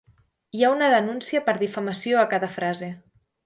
Hi ha una denúncia per difamació a cada frase.